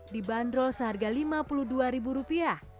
dibanderol seharga lima puluh dua ribu rupiah